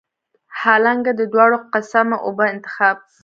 حالانکه د دواړو قسمه اوبو انتخاب